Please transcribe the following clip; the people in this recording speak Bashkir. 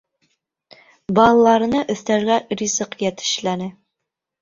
Балаларына өҫтәлгә ризыҡ йәтешләне.